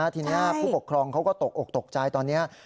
ที่นี่ผู้ปกครองก็ตกออกใจตอนนี้